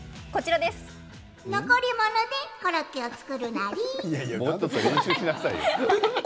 残り物でコロッケを作るナリ！